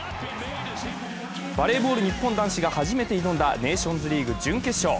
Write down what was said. バレーボール日本男子が初めて挑んだネーションズリーグ準決勝。